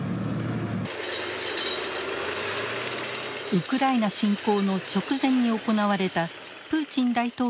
ウクライナ侵攻の直前に行われたプーチン大統領のスピーチ。